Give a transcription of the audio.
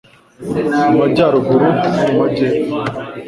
mu majyaruguru no mu majyepfo